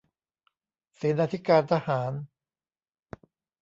เสนาธิการทหาร